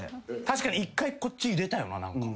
確かに１回こっち入れたよな何か。